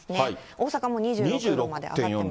大阪も２６度まで上がってます。